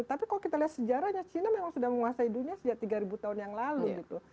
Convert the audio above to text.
tapi kalau kita lihat sejarahnya china memang sudah menguasai dunia sejak tiga tahun yang lalu gitu